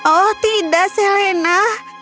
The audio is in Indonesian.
oh tidak selena